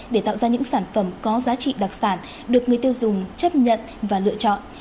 để tạo ra những sản phẩm có giá trị đặc sản được người tiêu dùng chấp nhận và lựa chọn